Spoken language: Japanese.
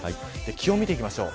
気温を見ていきましょう。